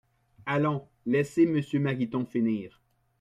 Allons, laissez Monsieur Mariton finir